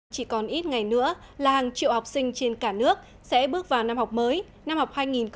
chỉ còn ít ngày nữa là hàng triệu học sinh trên cả nước sẽ bước vào năm học mới năm học hai nghìn một mươi sáu hai nghìn một mươi bảy